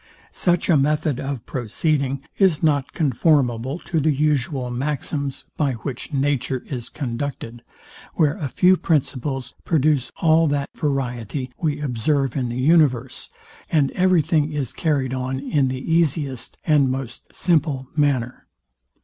Such a method of proceeding is not conformable to the usual maxims, by which nature is conducted, where a few principles produce all that variety we observe in the universe, and every thing is carryed on in the easiest and most simple manner.